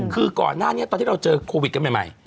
คือก่อนหน้านี้ตอนที่เราเจอโควิดกันใหม่